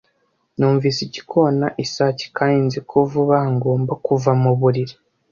Numvise igikona isake kandi nzi ko vuba aha ngomba kuva muburiri.